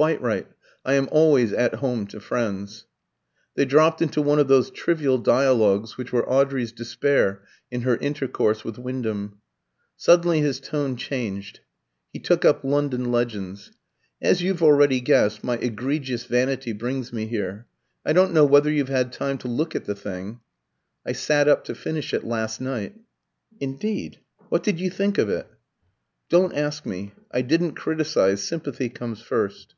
"Quite right. I am always at home to friends." They dropped into one of those trivial dialogues which were Audrey's despair in her intercourse with Wyndham. Suddenly his tone changed. He took up "London Legends." "As you've already guessed, my egregious vanity brings me here. I don't know whether you've had time to look at the thing " "I sat up to finish it last night." "Indeed. What did you think of it?" "Don't ask me. I didn't criticise sympathy comes first."